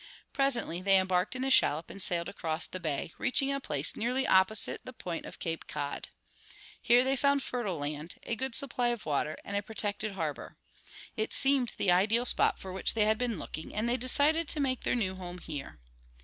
Presently they embarked in the shallop and sailed across the bay, reaching a place nearly opposite the point of Cape Cod. Here they found fertile land, a good supply of water, and a protected harbor. It seemed the ideal spot for which they had been looking, and they decided to make their new home here.